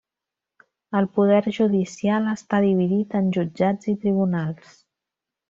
El Poder judicial està dividit en Jutjats i Tribunals.